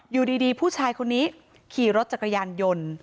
อยู่ดีผู้ชายคนนี้ขี่รถจักรยานยนต์